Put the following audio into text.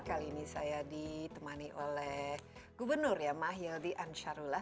kali ini saya ditemani oleh gubernur ya mahyildi ansarullah